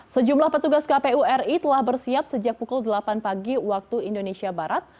sejumlah petugas kpu ri telah bersiap sejak pukul delapan pagi waktu indonesia barat